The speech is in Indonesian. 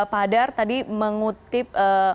padar tadi mengutip